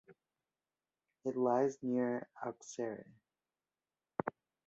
It lies near Auxerre.